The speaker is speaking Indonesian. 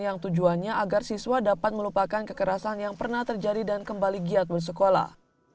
yang tujuannya agar siswa dapat melupakan kekerasan yang pernah terjadi dan kembali giat bersekolah